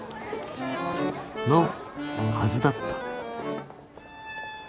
［のはずだった］